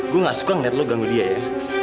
gue gak suka ngeliat lo ganggu dia ya